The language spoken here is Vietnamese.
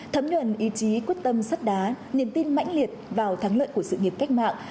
thấm nhuần ý chí quyết tâm sắt đá niềm tin mãnh liệt vào thắng lợi của sự nghiệp cách mạng